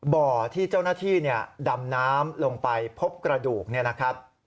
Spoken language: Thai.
บ่อที่เจ้าหน้าที่ดำน้ำลงไปพบกระดูกเนี่ยนะครับ